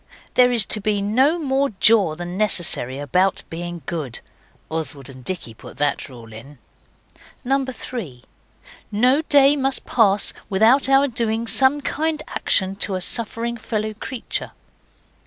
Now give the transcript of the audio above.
There is to be no more jaw than necessary about being good. (Oswald and Dicky put that rule in.) 3. No day must pass without our doing some kind action to a suffering fellow creature.